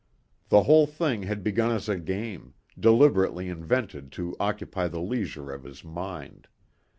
The whole thing had begun as a game, deliberately invented to occupy the leisure of his mind.